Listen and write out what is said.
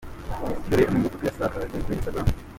Dore amwe mu mafoto yasakajwe kuri Instagram.